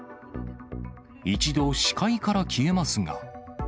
一度、視界から消えますが。